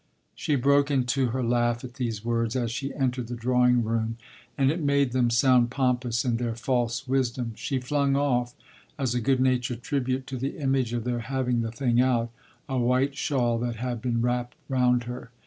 She broke into her laugh at these words, as she entered the drawing room, and it made them sound pompous in their false wisdom. She flung off, as a good natured tribute to the image of their having the thing out, a white shawl that had been wrapped round her.